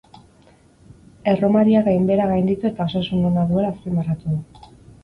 Erromeriak gainbehera gainditu eta osasun ona duela azpimarratu du.